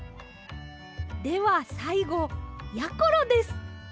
ではさいごやころです。